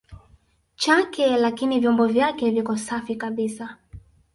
chake lakini vyombo vyake viko safi kabisa